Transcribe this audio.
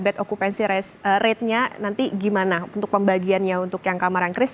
jadi okupansi ratenya nanti gimana untuk pembagiannya untuk yang kamar yang kris